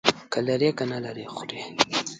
که لري، که نه لري، خوري.